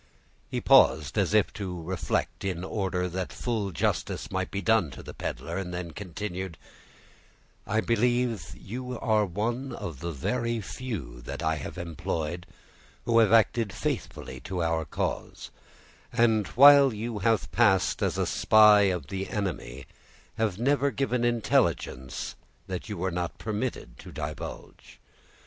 He paused, as if to reflect in order that full justice might be done to the peddler, and then continued,— "I believe you are one of the very few that I have employed who have acted faithfully to our cause; and, while you have passed as a spy of the enemy, have never given intelligence that you were not permitted to divulge.